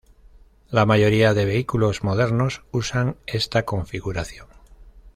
La mayoría de vehículos modernos usan esta configuración.